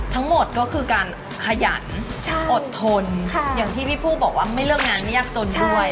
ทั้งหมดก็คือการขยันอดทนอย่างที่พี่ผู้บอกว่าไม่เลือกงานไม่ยากจนด้วย